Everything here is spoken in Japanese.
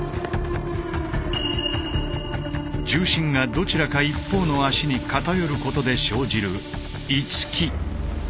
重心がどちらか一方の足に偏ることで生じる「居つき」。